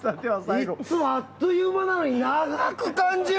いつもあっという間なのに長く感じる。